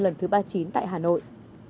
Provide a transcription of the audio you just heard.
lần thứ ba mươi chín tại hà nội